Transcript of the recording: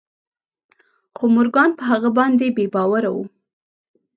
خو مورګان په هغه باندې بې باوره و